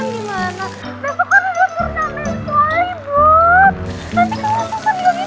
besokan udah turnamen kali bob